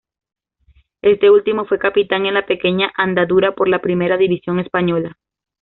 Este último fue capitán en la pequeña andadura por la Primera División Española.